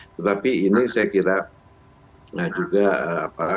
tetapi ini saya kira nah juga apa